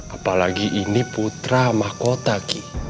apalagi ini putra mahkota ki